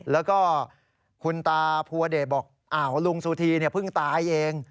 แล้วก็คุณตาภูวเดชบอกอ้าวลุงสุธีเพิ่งตายเอง